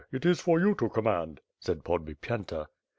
It is for you to com mand/' said Podbipyenta.